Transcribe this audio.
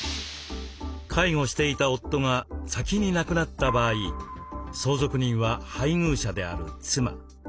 介護していた夫が先に亡くなった場合相続人は配偶者である妻。